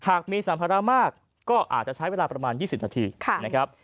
หากมีสัมภาระมากก็อาจจะใช้เวลาประมาณ๒๐นาทีนะครับ